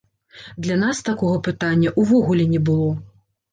Для нас такога пытання ўвогуле не было.